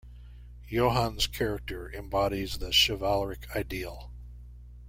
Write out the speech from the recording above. Johan's character embodies the chivalric ideal.